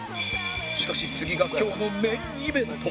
しかし次が今日のメインイベント